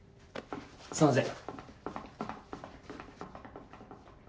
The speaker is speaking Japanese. すんません。